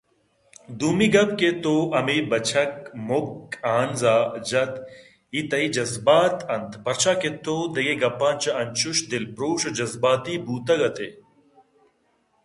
دومی گپ کہ تو ہمے بچک مکے ہانز ءَ جت اے تئی جذبات اَنت پرچاکہ تو دگہ گپاں چہ انچوش دلپرٛوش ءُجذباتی بوتگ اِتئے